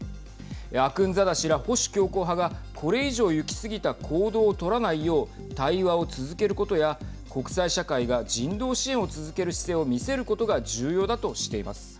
アクンザダ師ら保守強硬派がこれ以上行き過ぎた行動を取らないよう対話を続けることや国際社会が人道支援を続ける姿勢を見せることが重要だとしています。